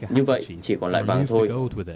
như vậy chỉ còn lại vàng thôi